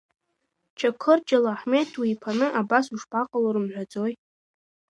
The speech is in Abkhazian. Чақырџьалы Аҳмед уиԥаны абас ушԥаҟало рымҳәаӡои?